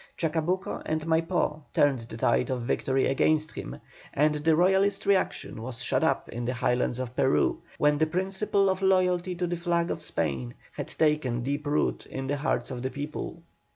Chacabuco and Maipó turned the tide of victory against him, and the Royalist reaction was shut up in the Highlands of Peru, where the principle of loyalty to the flag of Spain had taken deep root in the hearts of the people.